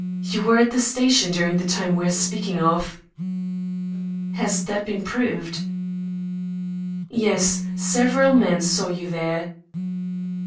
You were at the station during the time we are speaking of." "Has that been proved?" "Yes; several men saw you there."